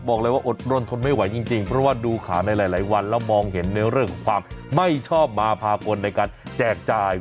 บอกเลยว่าอดรนทนไม่ไหวจริงเพราะว่าดูข่าวในหลายวันแล้วมองเห็นในเรื่องของความไม่ชอบมาภากลในการแจกจ่าย